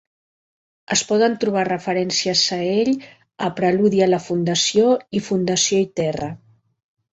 Es poden trobar referències a ell a "Preludi a la Fundació" i "Fundació i Terra".